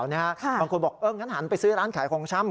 บางคนบอกงั้นหันไปซื้อร้านขายของชำ